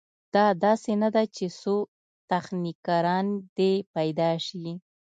دا داسې نه ده چې څو تخنیکران دې پیدا شي.